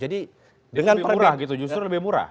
jadi lebih murah gitu justru lebih murah